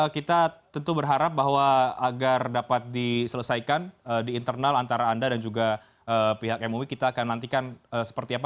kita tentu berharap bahwa agar dapat diselesaikan di internal antara anda dan juga pihak mui kita akan nantikan seperti apa